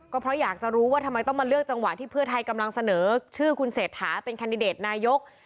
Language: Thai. ก็เพราะอยากจะรู้ว่าทำไมต้องมาเลือกจังหวะที่เพื่อไทยกำลังเสนอชื่อคุณเศรษฐาเป็นแคนดิเดตนายก